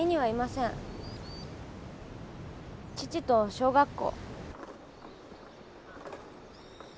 父と小学校。